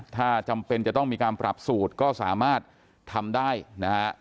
ถ้าจำเป็นจะต้องมีการปรับสูตรก็สามารถทำได้นะฮะ